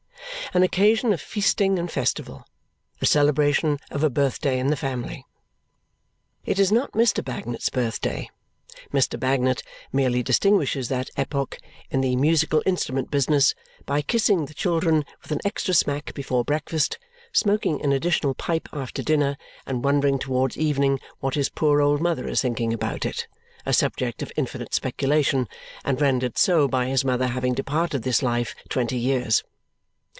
An occasion of feasting and festival. The celebration of a birthday in the family. It is not Mr. Bagnet's birthday. Mr. Bagnet merely distinguishes that epoch in the musical instrument business by kissing the children with an extra smack before breakfast, smoking an additional pipe after dinner, and wondering towards evening what his poor old mother is thinking about it a subject of infinite speculation, and rendered so by his mother having departed this life twenty years.